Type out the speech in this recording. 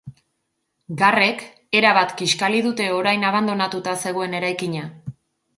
Garrek erabat kiskali dute orain abandonatuta zegoen eraikina.